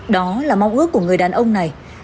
đó là mong ước của người đàn ông này